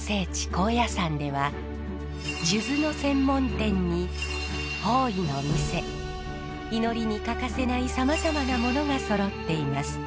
高野山では数珠の専門店に法衣の店祈りに欠かせないさまざまなものがそろっています。